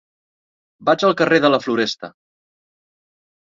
Vaig al carrer de la Floresta.